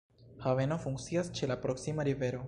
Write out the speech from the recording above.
Haveno funkcias ĉe la proksima rivero.